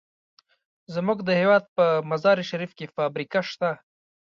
زمونږ د هېواد په مزار شریف کې فابریکه شته.